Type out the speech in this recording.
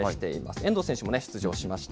遠藤選手も出場しました。